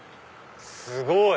すごい！